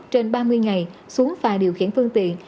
trên ba mươi ngày xuống và điều khiển phương tiện